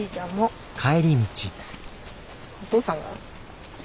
お父さんが？